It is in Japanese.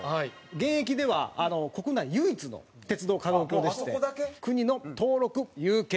現役では国内唯一の鉄道可動橋でして国の登録有形文化財。